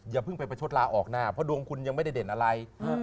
อย่าเพิ่งไปประชดลาออกหน้าเพราะดวงคุณยังไม่ได้เด่นอะไร